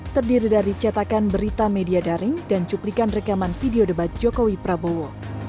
terdiri dari cetakan berita media daring dan cuplikan rekaman video debat jokowi prabowo